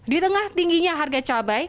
di tengah tingginya harga cabai